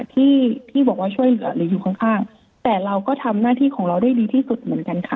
ที่ที่บอกว่าช่วยเหลือหรืออยู่ข้างข้างแต่เราก็ทำหน้าที่ของเราได้ดีที่สุดเหมือนกันค่ะ